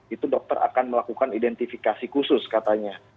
itu dokter akan melakukan identifikasi khusus katanya